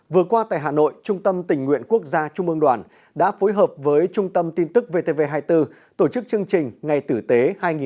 vừa qua tại hà nội trung tâm tình nguyện quốc gia trung ương đoàn đã phối hợp với trung tâm tin tức vtv hai mươi bốn tổ chức chương trình ngày tử tế hai nghìn một mươi chín